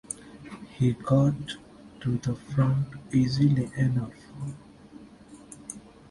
He got to the front easily enough.